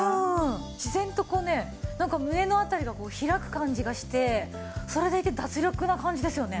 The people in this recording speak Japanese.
自然とこうねなんか胸の辺りが開く感じがしてそれでいて脱力な感じですよね。